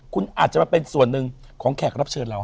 คุณอาจจะมาเป็นส่วนหนึ่งของแขกรับเชิญเรา